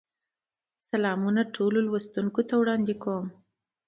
سلامونه ټولو لوستونکو ته وړاندې کوم.